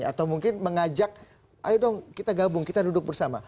atau mungkin mengajak ayo dong kita gabung kita duduk bersama